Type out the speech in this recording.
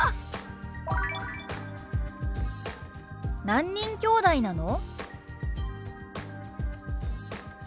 「何人きょうだいなの？」。